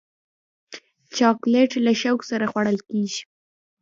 چاکلېټ له شوق سره خوړل کېږي.